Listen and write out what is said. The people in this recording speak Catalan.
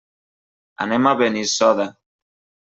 Anem a Benissoda.